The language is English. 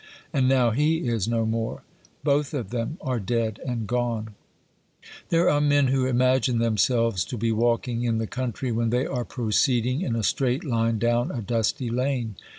"... And now he is no more ! Both of them are dead and gone ! There are men who imagine themselves to be walking in the country when they are proceeding in a straight line down a dusty lane.